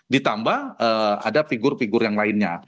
ditambah ada figur figur yang lainnya